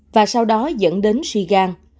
và sau đó dẫn đến si gan